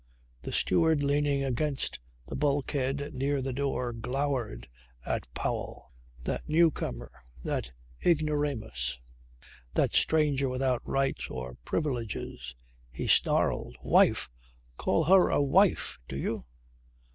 The steward leaning against the bulkhead near the door glowered at Powell, that newcomer, that ignoramus, that stranger without right or privileges. He snarled: "Wife! Call her a wife, do you?"